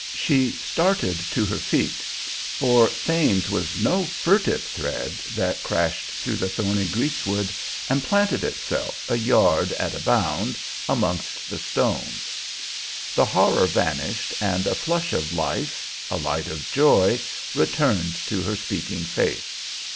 She started to her feet, for Thane's was no furtive tread that crashed through the thorny greasewood and planted itself, a yard at a bound, amongst the stones. The horror vanished and a flush of life, a light of joy, returned to her speaking face.